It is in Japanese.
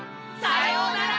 さようなら！